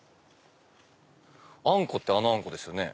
あんこってあのあんこですよね。